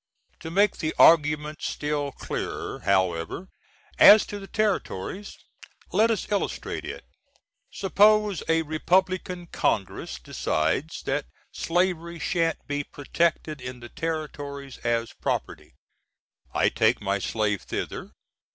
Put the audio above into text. To make the argument still clearer, however, as to the Territories, let us illustrate it: Suppose a Repub^n. Congress decides that slavery shan't be protected in the Ter. as prop. I take my slave thither.